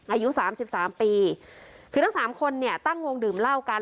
อายุสามสิบสามปีคือทั้งสามคนเนี่ยตั้งวงดื่มเหล้ากัน